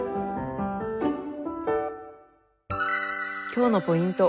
今日のポイント